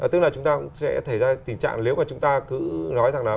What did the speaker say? tức là chúng ta sẽ thấy ra tình trạng